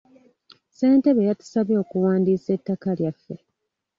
Ssentebe yatusabye okuwandiisa ettaka lyaffe.